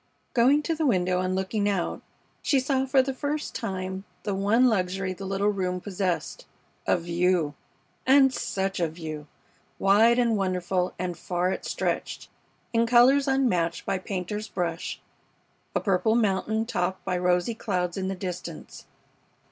Going to the window and looking out, she saw for the first tune the one luxury the little room possessed a view! And such a view! Wide and wonderful and far it stretched, in colors unmatched by painter's brush, a purple mountain topped by rosy clouds in the distance.